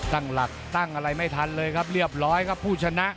ตั้งหลักตั้งอะไรไม่ทันเลยครับเรียบร้อยครับผู้ชนะ